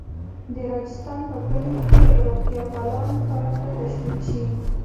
د راجستان په کلیو کې روغتیاپالان کار ته تشویق شي.